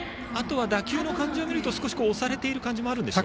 打球の感じを見ると押されている感じもありましたか。